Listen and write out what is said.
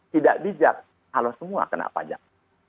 tidak bijak kalau semua kena pajak